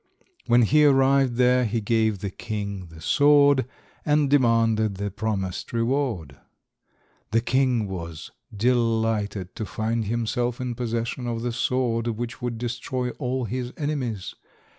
When he arrived there he gave the king the sword, and demanded the promised reward. The king was delighted to find himself in possession of the sword which would destroy all his enemies.